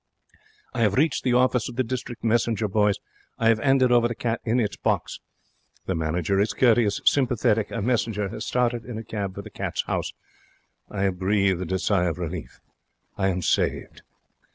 I have reached the office of the District Messenger Boys. I have 'anded over the cat in its box. The manager is courteous, sympathetic. A messenger has started in a cab for the Cats' House. I have breathed a sigh of relief. I am saved.